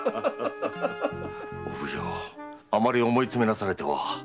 お奉行あまり思い詰めなされてはお体に毒ですぞ。